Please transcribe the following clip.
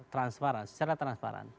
transparan secara transparan